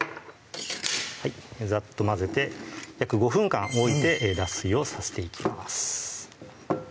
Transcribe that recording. ザッと混ぜて約５分間置いて脱水をさせていきます